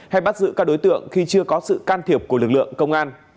hay bắt giữ các đối tượng khi chưa có sự can thiệp của lực lượng công an